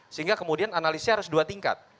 sehingga kemudian analisnya harus dua tingkat